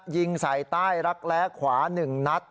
ยิงใส่ใต้รักแร้ขวา๑นัด